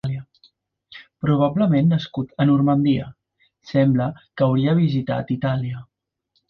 Probablement nascut a Normandia, sembla que hauria visitat Itàlia.